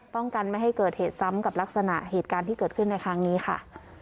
ป้องกันไม่ให้เกิดเหตุซ้ำกับลักษณะเหตุการณ์ที่เกิดขึ้นในครั้งนี้ค่ะ